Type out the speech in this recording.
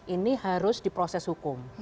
ini harus diproses hukum